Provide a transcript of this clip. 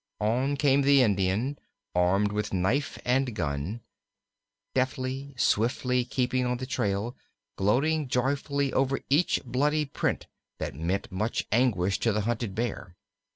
On came the Indian, armed with knife and gun; deftly, swiftly keeping on the trail; gloating joyfully over each bloody print that meant such anguish to the hunted Bear.